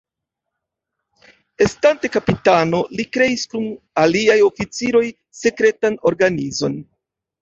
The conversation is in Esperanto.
Estante kapitano, li kreis kun aliaj oficiroj sekretan organizon.